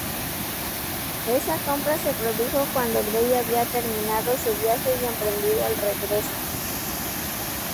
Esa compra se produjo cuando Gray había terminado su viaje y emprendido el regreso.